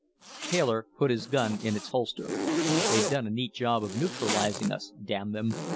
Taylor put his gun in its holster. "They've done a neat job of neutralizing us, damn them.